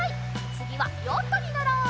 つぎはヨットにのろう。